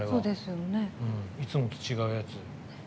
いつもと違うやつ。